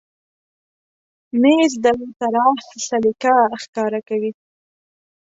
مېز د طراح سلیقه ښکاره کوي.